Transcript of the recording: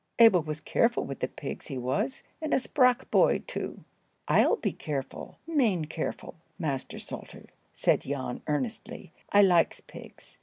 Abel was careful with the pigs, he was, and a sprack boy, too." "I'll be careful, main careful, Master Salter," said Jan, earnestly. "I likes pigs."